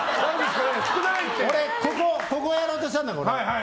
俺、ここやろうとしたんだよ。